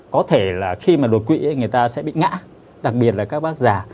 có thể là khi mà đột quỵ người ta sẽ bị ngã đặc biệt là các bác giả